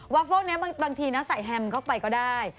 เฟิลนี้บางทีนะใส่แฮมเข้าไปก็ได้